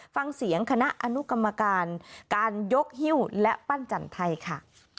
ฟังเสียงคณะอนุกรรมการการยกฮิ้วและปั้นจันทร์ไทยค่ะ